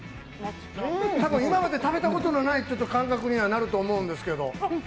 今まで食べたことがない感覚になると思うんですけど。